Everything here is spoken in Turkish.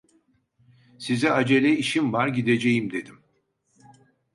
Size acele işim var, gideceğim, dedim.